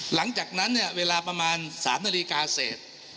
หลังจากนั้นเนี่ยเวลาประมาณ๓นาฬิกาเสร็จ